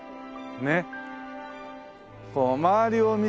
ねっ。